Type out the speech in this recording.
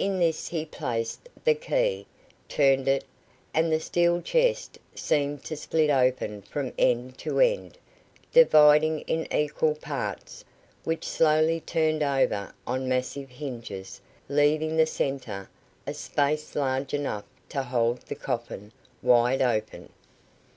In this he placed the key, turned it, and the steel chest seemed to split open from end to end, dividing in equal parts, which slowly turned over on massive hinges, leaving the centre a space large enough to hold the coffin wide open.